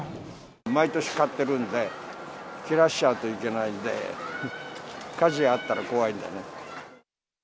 毎年買ってるんで、切らしちゃうといけないんで、火事があったら怖いんでね。